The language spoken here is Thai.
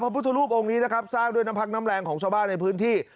พุทธรูปองค์นี้นะครับสร้างด้วยน้ำพักน้ำแรงของชาวบ้านในพื้นที่